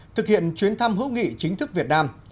thực hiện chuyến thăm hữu nghị chính thức việt nam